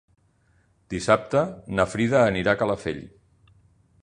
Dissabte na Frida anirà a Calafell.